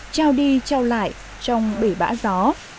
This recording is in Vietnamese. trao đi trao lại trong bể bã gió